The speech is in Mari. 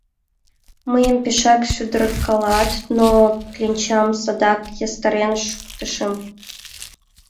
Мыйым пешак шӱдыркалат, но кленчам садак ястарен шуктышым...